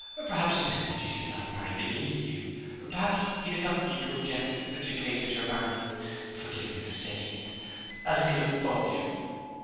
Perhaps he meant that you should not marry beneath you; perhaps he did not mean to object in such a case as your marrying (forgive me for saying it) a little above you.'